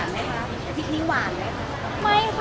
สรุปสารไหมคะพิกลิหวานไหมคะ